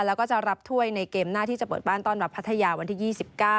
แล้วก็จะรับถ้วยในเกมหน้าที่จะเปิดบ้านต้อนรับพัทยาวันที่๒๙